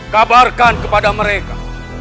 kabarkan kepada mereka